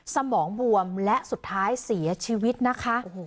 สมองบวมและสุดท้ายเสียชีวิตนะคะ